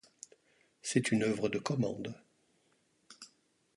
C’est une œuvre de commande.